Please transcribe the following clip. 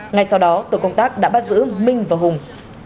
ngay sau đó tổ công tác đã bắt giữ minh và hùng